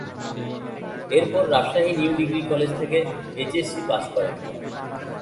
এর পর Rajshahi New Degree College থেকে এইচএসসি পাশ করেন।